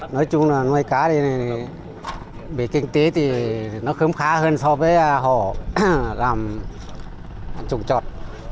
nói chung là nuôi cá thì bị kinh tế thì nó không khá hơn so với họ làm trùng trọt